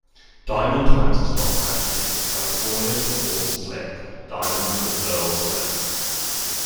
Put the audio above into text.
Diamond went to Los Angeles, California to form Slick Diamond with Earl Slick.